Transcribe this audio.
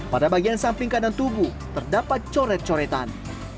pada bagian samping kanan tubuh terdapat coret coretan